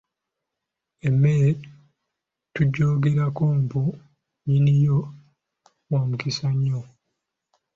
Emmere tugyogerako mbu nnyiniyo wa mukisa nnyo.